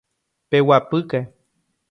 Peguapýke.